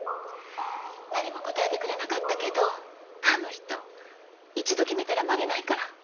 何も答えてくれなかったけどあの人一度決めたら曲げないから。